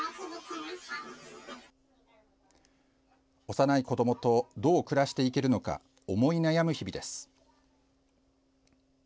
幼い子どもとどう暮らしていけるのか思い悩む日々です。